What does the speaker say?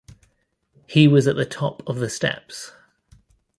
He was at the top of the steps.